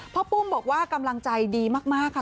ปุ้มบอกว่ากำลังใจดีมากค่ะ